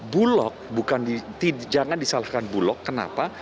bulog jangan disalahkan bulog kenapa